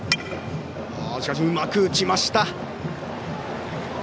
うまく打ちました。